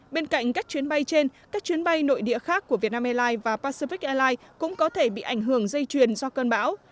bên cạnh các chuyến bay trên các chuyến bay nội địa khác của việt nam airlines và pacific airlines cũng có thể bị ảnh hưởng dây truyền do cơn bão